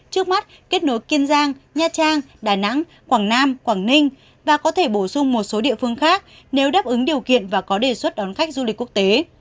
trước mắt kết nối kiên giang nha trang đà nẵng quảng nam quảng ninh và có thể bổ sung một số địa phương khác nếu đáp ứng điều kiện và có đề xuất đón khách du lịch quốc tế